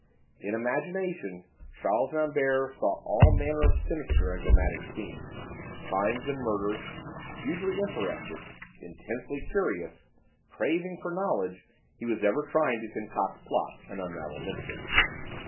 In imagination Charles Rambert saw all manner of sinister and dramatic scenes, crimes and murders: hugely interested, intensely curious, craving for knowledge, he was ever trying to concoct plots and unravel mysteries.